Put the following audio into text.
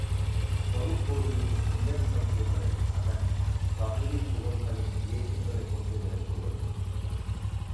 பருப்பொருளின் இயற்பண்புகளை அதன் பகுதித் துகள்களின் இயக்கங்களைக் கொண்டு விளக்குவது.